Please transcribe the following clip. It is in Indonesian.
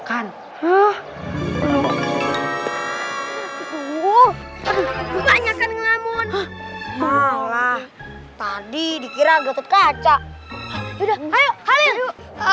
kan huh uh banyak ngamun malah tadi dikira gede kaca udah ayo ayo